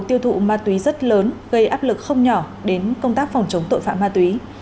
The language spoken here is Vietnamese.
tiêu thụ ma túy rất lớn gây áp lực không nhỏ đến công tác phòng chống tội phạm ma túy